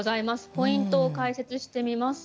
ポイントを解説してみます。